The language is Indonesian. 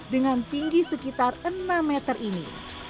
dengan tinggi sekitar enam meter ini